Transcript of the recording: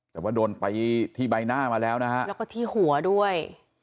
แต่ว่าโดนไปที่ใบหน้ามาแล้วนะฮะแล้วก็ที่หัวด้วย